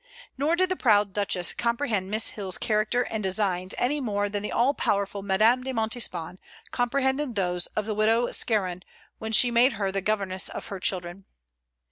Nor did the proud Duchess comprehend Miss Hill's character and designs any more than the all powerful Madame de Montespan comprehended those of the widow Scarron when she made her the governess of her children.